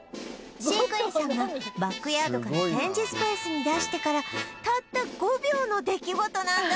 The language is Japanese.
飼育員さんがバックヤードから展示スペースに出してからたった５秒の出来事なんだそうです